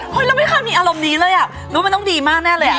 เราไม่เคยมีอารมณ์นี้เลยอ่ะแล้วมันต้องดีมากแน่เลยอ่ะ